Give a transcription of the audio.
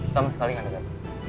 sama sekali nggak dengar